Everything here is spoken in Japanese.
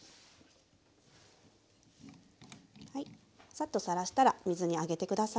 サッとさらしたらあげて下さい。